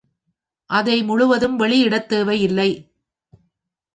அதை முழுவதும் வெளியிடத் தேவை இல்லை.